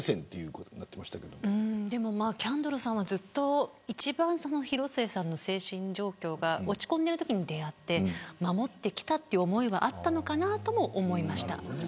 キャンドルさんは一番広末さんの精神状況が落ち込んでいるときに出会って守ってきたという思いはあったのかなと思いました。